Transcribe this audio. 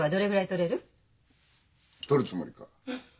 取るつもりか？